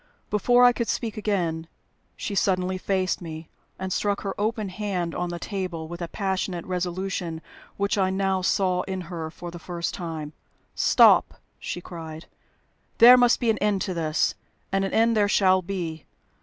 Before I could speak again, she suddenly faced me, and struck her open hand on the table with a passionate resolution which I now saw in her for the first time. "Stop!" she cried. "There must be an end to this. And an end there shall be.